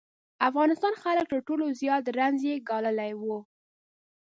افغانستان خلک تر ټولو زیات رنځ یې ګاللی و.